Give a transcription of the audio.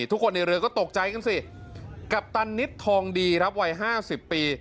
ทุกคนในเรือก็ตกใจกันสิกัปตันนิดทองดีครับวัย๕๐ปี